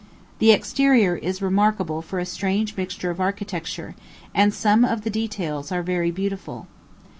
The exterior is remarkable for a strange mixture of architecture, and some of the details are very beautiful.